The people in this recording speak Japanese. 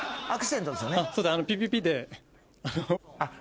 ピピピで。